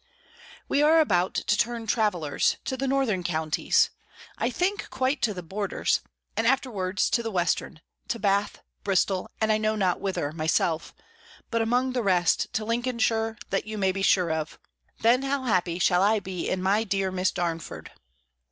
We are about to turn travellers, to the northern counties. I think quite to the borders: and afterwards to the western, to Bath, Bristol, and I know not whither myself: but among the rest, to Lincolnshire, that you may be sure of. Then how happy shall I be in my dear Miss Darnford!